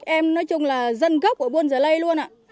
em nói chung là dân gốc của buôn giờ lây luôn ạ